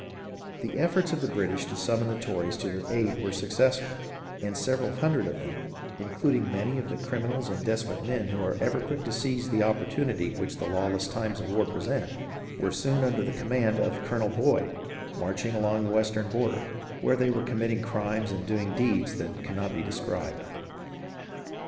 The efforts of the British to summon the Tories to their aid were successful, and several hundred of them, including many of the criminals and desperate men who are ever quick to seize the opportunity which the lawless times of war present, were soon under the command of Colonel Boyd, marching along the western border, where they were committing crimes and doing deeds that cannot be described.